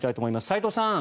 齋藤さん